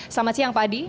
selamat siang pak adi